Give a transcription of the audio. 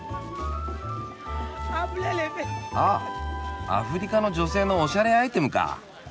あっアフリカの女性のおしゃれアイテムか。